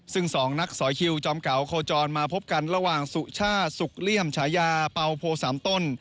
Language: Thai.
ซึ่ง๒นักสอยคิวจอมเก๋าโคจรมาพบกันระหว่างสุช่าสุกลี่ห่ำชายาเปาโพ๓ต้น